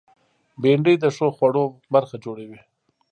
بېنډۍ د ښو خوړو برخه جوړوي